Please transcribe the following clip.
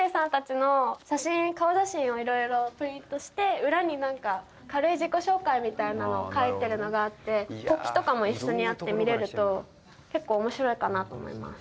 これが裏に軽い自己紹介みたいなのを書いてるのがあって国旗とかも一緒にあって見れると結構面白いかなと思います。